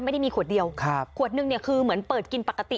ไม่ได้มีขวดเดียวครับขวดนึงเนี่ยคือเหมือนเปิดกินปกติ